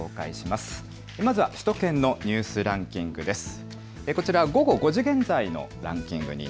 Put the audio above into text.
まず首都圏のニュースランキングです。